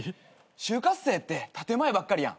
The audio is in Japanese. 就活生って建前ばっかりやん。